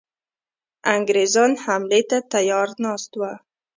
انګرېزان حملې ته تیار ناست وه.